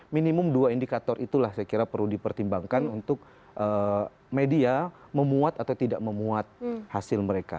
minimum dua indikator itulah saya kira perlu dipertimbangkan untuk media memuat atau tidak memuat hasil mereka